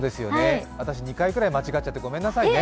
私、２回くらい間違っちゃってごめんなさいね。